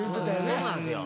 そうなんですよ。